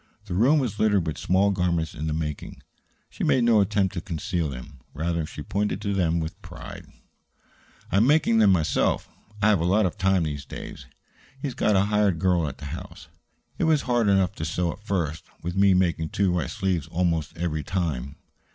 The room was littered with small garments in the making. She made no attempt to conceal them; rather, she pointed to them with pride. "I am making them myself. I have a lot of time these days. He's got a hired girl at the house. It was hard enough to sew at first, with me making two right sleeves almost every time."